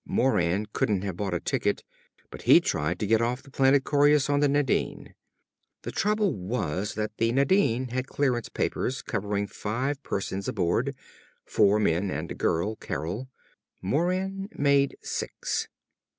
Moran couldn't have bought a ticket, but he'd tried to get off the planet Coryus on the Nadine. The trouble was that the Nadine had clearance papers covering five persons aboard four men and a girl Carol. Moran made six.